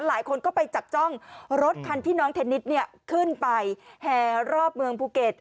หลายคนก็ไปจับจ้องรถคันที่น้องเทนนิสเนี่ยขึ้นไปแห่รอบเมืองภูเก็ต